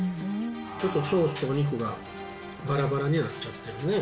ちょっとソースとお肉がばらばらになっちゃってるね。